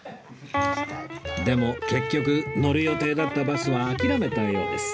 でも結局乗る予定だったバスは諦めたようです